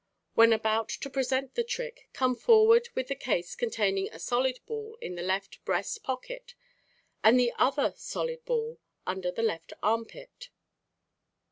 When about to present the trick, come forward with the case containing a solid ball in the left breast pocket and the other solid ball under the left armpit.